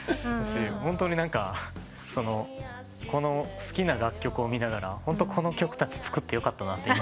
ホントに何か好きな楽曲を見ながらホントこの曲たち作ってよかったなって今。